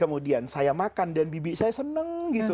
kemudian saya makan dan bibi saya senang gitu